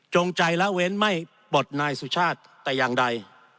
ใจละเว้นไม่ปลดนายสุชาติแต่อย่างใด